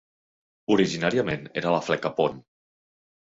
Originàriament era la fleca Pont.